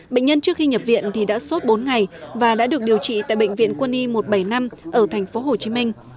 bệnh nhân trước khi nhập viện thì đã sốt bốn ngày và đã được điều trị tại bệnh viện quân y một trăm bảy mươi năm ở thành phố hồ chí minh